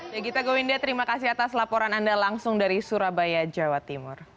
begita gowinde terima kasih atas laporan anda langsung dari surabaya jawa timur